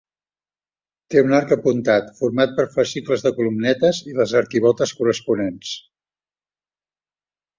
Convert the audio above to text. Té un arc apuntat, format per fascicles de columnetes i les arquivoltes corresponents.